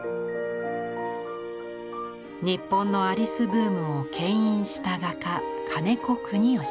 日本のアリスブームをけん引した画家金子國義。